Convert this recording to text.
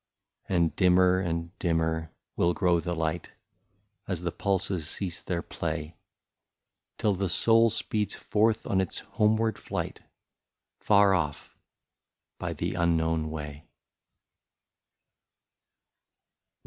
And dimmer and dimmer will grow the light, As the pulses cease their play. Till the soul speeds forth on its homeward flight, Far off, by the unknown way.